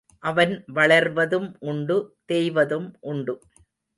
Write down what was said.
அவன் வளர்வதும் உண்டு தேய்வதும் உண்டு.